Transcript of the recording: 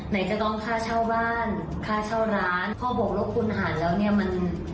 ไหนก็ต้องค่าเช่าบ้านค่าเช่าร้านพ่อบอกว่าคุณห่านแล้วเนี้ยมัน